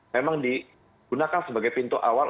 memang digunakan sebagai pintu awal